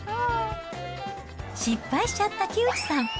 失敗しちゃった木内さん。